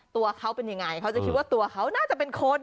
ตัวเขาเป็นยังไงเขาจะคิดว่าตัวเขาน่าจะเป็นคน